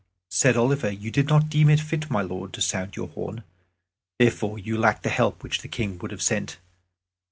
Said Oliver, "You did not deem it fit, my lord, to sound your horn. Therefore you lack the help which the King would have sent.